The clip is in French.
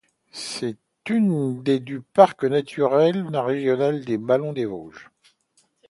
C'est une des du parc naturel régional des ballons des Vosges.